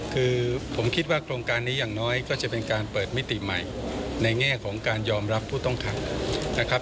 คือผมคิดว่าโครงการนี้อย่างน้อยก็จะเป็นการเปิดมิติใหม่ในแง่ของการยอมรับผู้ต้องขังนะครับ